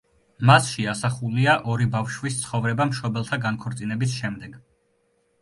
მასში ასახულია ორი ბავშვის ცხოვრება მშობელთა განქორწინების შემდეგ.